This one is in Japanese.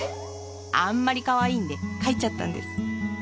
あんまりかわいいんで描いちゃったんです。